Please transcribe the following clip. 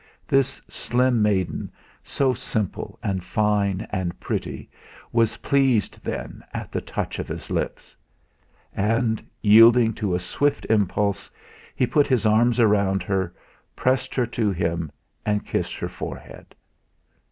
This slim maiden, so simple and fine and pretty, was pleased, then, at the touch of his lips! And, yielding to a swift impulse, he put his arms round her, pressed her to him, and kissed her forehead.